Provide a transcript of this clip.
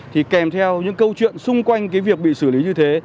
thì kèm theo những câu chuyện xung quanh cái việc bị xử lý như thế